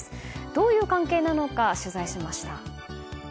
どういう関係なのか取材しました。